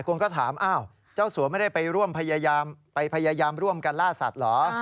คนก็ถามอ้าวเจ้าสัวไม่ได้ไปร่วมพยายามร่วมกันล่าสัตว์เหรอ